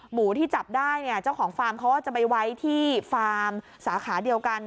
หมูที่จับได้เนี่ยเจ้าของฟาร์มเขาก็จะไปไว้ที่ฟาร์มสาขาเดียวกัน